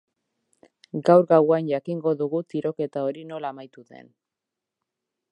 Gaur gauean jakingo dugu tiroketa hori nola amaitu den.